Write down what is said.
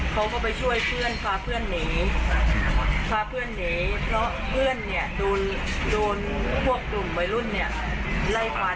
เขาก็ไปช่วยเพื่อนพาเพื่อนหนีพาเพื่อนหนีเพราะเพื่อนเนี่ยโดนพวกกลุ่มวัยรุ่นเนี่ยไล่ฟัน